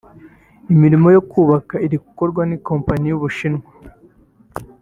imirimo yo kuyubaka iri gukorwa n’ikompanyi y’Abashinwa